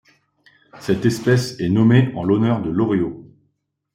Cette espèce est nommée en l'honneur de Loriot.